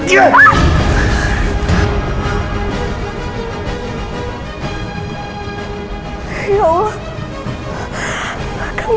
ya allah kang